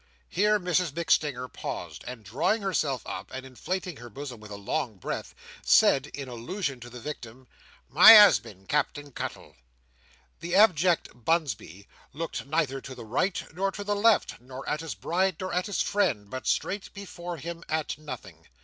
Here Mrs MacStinger paused, and drawing herself up, and inflating her bosom with a long breath, said, in allusion to the victim, "My "usband, Cap'en Cuttle!" The abject Bunsby looked neither to the right nor to the left, nor at his bride, nor at his friend, but straight before him at nothing.